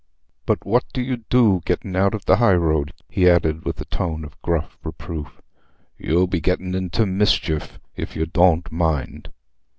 But what do you do gettin' out o' the highroad?" he added, with a tone of gruff reproof. "Y'ull be gettin' into mischief, if you dooant mind."